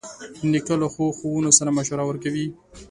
نیکه له ښو ښوونو سره مشوره ورکوي.